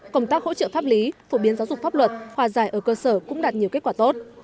công tác hỗ trợ pháp lý phổ biến giáo dục pháp luật hòa giải ở cơ sở cũng đạt nhiều kết quả tốt